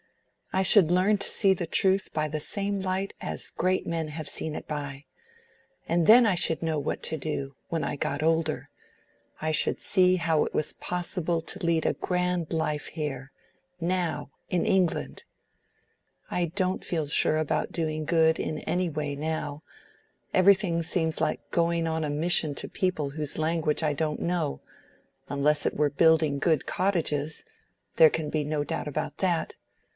I should learn to see the truth by the same light as great men have seen it by. And then I should know what to do, when I got older: I should see how it was possible to lead a grand life here—now—in England. I don't feel sure about doing good in any way now: everything seems like going on a mission to a people whose language I don't know;—unless it were building good cottages—there can be no doubt about that.